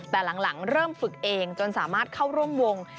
แต่หลังเริ่มฝึกเองจนสามารถเข้าร่วมวง